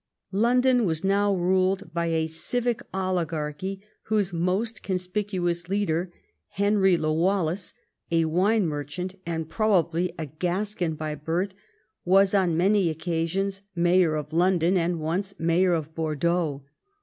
London was now ruled by a civic oligarchy, whose most conspicuous leader, Henry le Waleys, a Avine merchant, and probably a Gascon by birth, was on many occasions Mayor of London and once Mayor of Bordeaux.